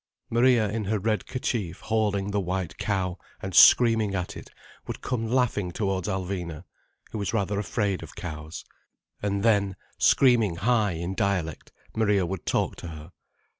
Maria in her red kerchief hauling the white cow, and screaming at it, would come laughing towards Alvina, who was rather afraid of cows. And then, screaming high in dialect, Maria would talk to her.